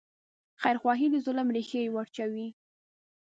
خیرخواهي د ظلم ریښې وروچوي.